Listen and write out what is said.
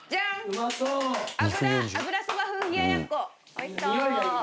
おいしそう！